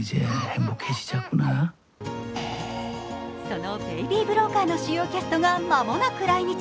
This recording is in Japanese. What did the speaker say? その「ベイビー・ブローカー」の主要キャストが間もなく来日。